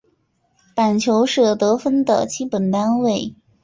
板球是得分的基本单位。